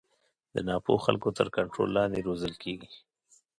د نا پوه خلکو تر کنټرول لاندې روزل کېږي.